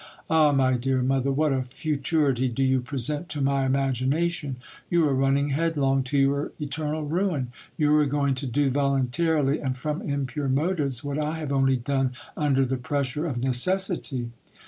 Ah ! my dear mother, what a futurity do you present to my imagina tion ! You are running headlong to your eternal ruin. You are going to do voluntarily, and from impure motives, what I have only done under the pres sure of necessity.